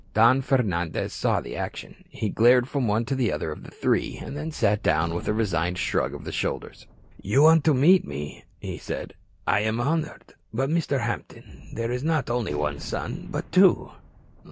Don Fernandez saw the action. He glared from one to the other of the three, and then sat down with a resigned shrug of the shoulders. "You wanted to meet me?" he said. "I am honored. But, Mr. Hampton, there is not only one son but two!"